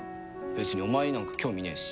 別にお前になんか興味ねえし。